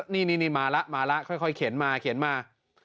นี่มาละค่อยเขียนมา